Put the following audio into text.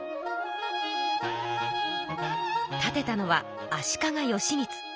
建てたのは足利義満。